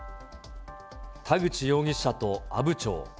田口容疑者と阿武町。